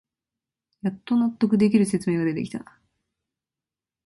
やっと納得できる説明が出てきた